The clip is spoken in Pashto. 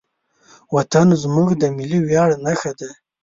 وطن زموږ د ملي ویاړ نښه ده.